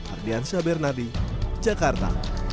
ardian sabernadi jakarta